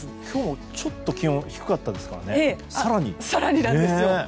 今日、ちょっと気温低かったからですね。